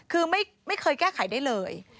คือไม่เคยแก้ไขได้เลย